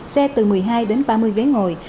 xe từ một mươi hai đến ba mươi ghế ngồi